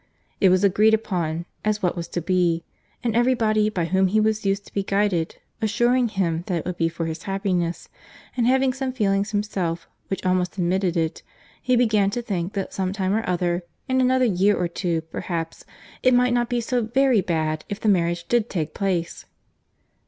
—It was agreed upon, as what was to be; and every body by whom he was used to be guided assuring him that it would be for his happiness; and having some feelings himself which almost admitted it, he began to think that some time or other—in another year or two, perhaps—it might not be so very bad if the marriage did take place.